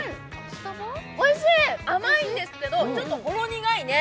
おいしい、甘いんですけど、ちょっとほろ苦いね。